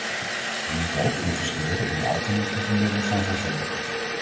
We moeten ook investeren in alternatieve middelen van vervoer.